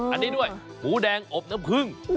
อันนี้ด้วยหมูแดงอบน้ำพึ่ง